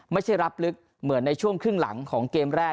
ไม่ใช่รับลึกเหมือนในช่วงครึ่งหลังของเกมแรก